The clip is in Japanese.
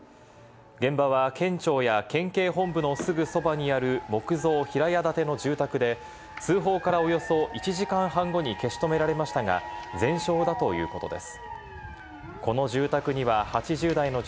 現場は県庁や県警本部のすぐそばにある木造平屋建ての住宅で、通報からおよそ１時間半後に消し止められましたが全焼だということです。